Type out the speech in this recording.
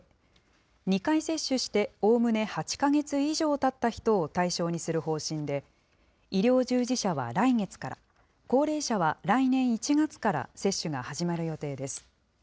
２回接種して、おおむね８か月以上たった人を対象にする方針で、医療従事者は来月から、高齢者は来年１月から接種が始まる予定です。